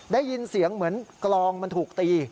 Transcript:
ได้ยินเสียงเหมือนกลองมันถูกตี